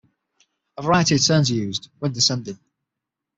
A variety of turns are used, when descending.